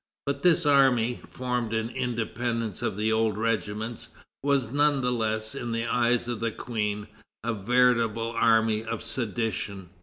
But this army, formed in independence of the old regiments, was none the less, in the eyes of the Queen, a veritable army of sedition.